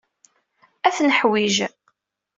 Ad t-neḥwij.